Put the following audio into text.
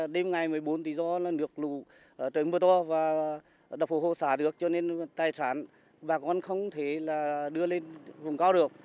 đêm ngày một mươi bốn thì do nước lũ trời mưa to và đập hồ xả được cho nên tài sản bà con không thể đưa lên vùng cao được